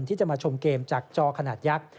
ที่จะมาชมเกมจากจอขนาดยักษ์